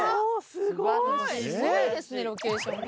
すごいですねロケーションが。